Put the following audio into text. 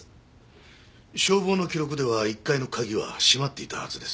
消防の記録では１階の鍵は閉まっていたはずです。